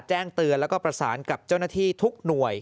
แจ้งเตือนแล้วก็ประสานกับเจ้าหน้าที่ทุกหน่วย